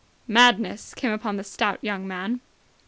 Madness came upon the stout young man.